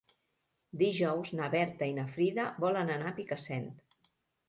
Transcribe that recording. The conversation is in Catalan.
Dijous na Berta i na Frida volen anar a Picassent.